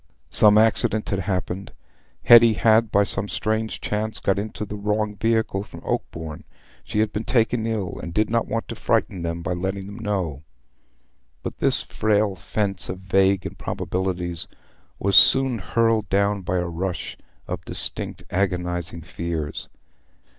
Some accident had happened. Hetty had, by some strange chance, got into a wrong vehicle from Oakbourne: she had been taken ill, and did not want to frighten them by letting them know. But this frail fence of vague improbabilities was soon hurled down by a rush of distinct agonizing fears.